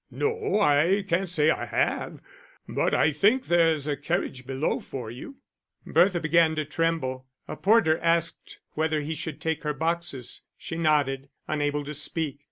"No, I can't say I have. But I think there's a carriage below for you." Bertha began to tremble. A porter asked whether he should take her boxes; she nodded, unable to speak.